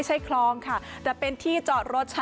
สวัสดีค่ะพบกับช่วงนี้สวัสดีค่ะ